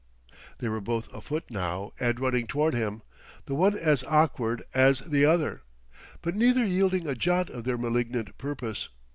They were both afoot, now, and running toward him, the one as awkward as the other, but neither yielding a jot of their malignant purpose.